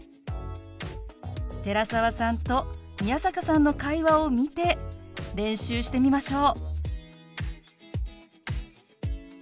寺澤さんと宮坂さんの会話を見て練習してみましょう。